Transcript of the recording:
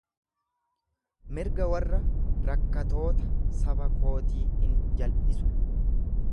Mirga warra rakkatoota saba kootii in jal'isu.